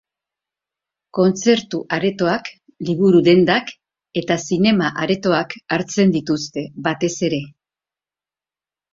Kontzertu aretoak, liburu dendak eta zinema aretoak hartzen dituzte, batez ere.